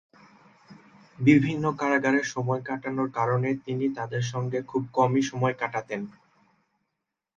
বিভিন্ন কারাগারে সময় কাটানোর কারণে তিনি তাদের সঙ্গে খুব কমই সময় কাটাতেন।